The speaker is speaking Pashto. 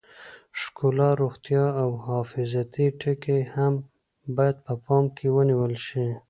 ښکلا، روغتیا او حفاظتي ټکي هم باید په پام کې ونیول شي.